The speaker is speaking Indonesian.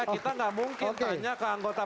kita nggak mungkin tanya ke anggota